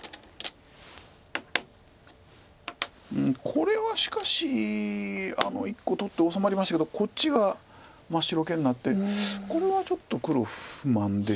これはしかしあの１個を取って治まりましたけどこっちが真っ白けになってこれはちょっと黒不満でしょう。